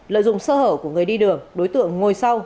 lợi dụng sơ hở của người đi đường đối tượng ngồi sau